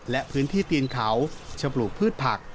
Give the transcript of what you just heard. และพื้นที่ตีนเขาจะปลูกพืชผัก